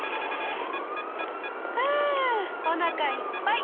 ふおなかいっぱい！